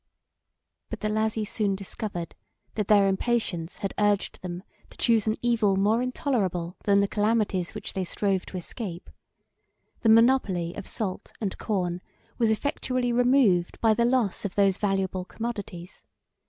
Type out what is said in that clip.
But the Lazi soon discovered, that their impatience had urged them to choose an evil more intolerable than the calamities which they strove to escape. The monopoly of salt and corn was effectually removed by the loss of those valuable commodities.